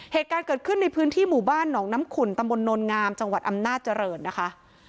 เหตุการณ์เกิดขึ้นในพื้นที่หมู่บ้านหนองน้ำขุนตำบลโนลงามจังหวัดอำนาจเจริญนะคะ